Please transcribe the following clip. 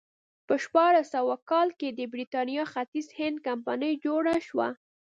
په شپاړس سوه کال کې د برېټانیا ختیځ هند کمپنۍ جوړه شوه.